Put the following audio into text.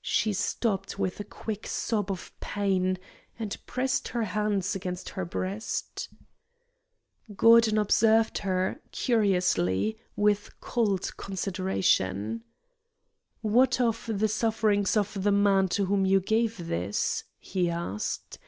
She stopped with a quick sob of pain, and pressed her hands against her breast. Gordon observed her, curiously, with cold consideration. "What of the sufferings of the man to whom you gave this?" he asked.